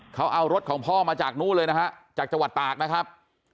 เขาเอารถของพ่อมาจากนู้นเลยนะฮะจากจังหวัดตากนะครับ